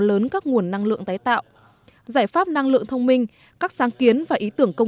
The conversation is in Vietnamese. lớn các nguồn năng lượng tái tạo giải pháp năng lượng thông minh các sáng kiến và ý tưởng công